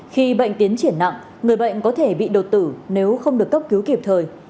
khi bệnh tiến triển nặng người bệnh có thể bị đột tử nếu không được cấp cứu kịp thời